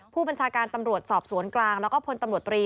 ผู้บัญชาการตำรวจสอบสวนกลางแล้วก็พลตำรวจตรี